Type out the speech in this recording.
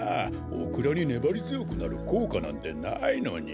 オクラにねばりづよくなるこうかなんてないのに。